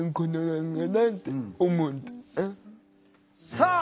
さあ